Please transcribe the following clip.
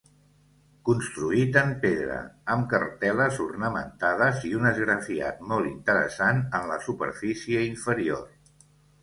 Construït en pedra, amb cartel·les ornamentades i un esgrafiat molt interessant en la superfície inferior.